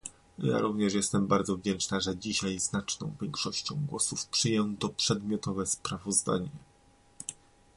Ja również jestem bardzo wdzięczna, że dzisiaj znaczną większością głosów przyjęto przedmiotowe sprawozdanie